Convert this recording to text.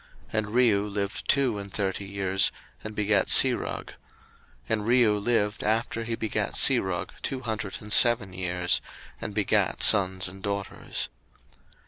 01:011:020 And Reu lived two and thirty years, and begat Serug: 01:011:021 And Reu lived after he begat Serug two hundred and seven years, and begat sons and daughters.